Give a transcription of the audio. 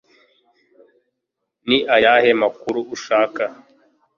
Ni ayahe makuru ushaka?